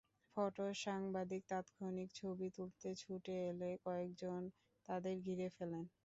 Photo সাংবাদিক তাৎক্ষণিক ছবি তুলতে ছুটে এলে কয়েকজন তাঁদের ঘিরে ফেলেন।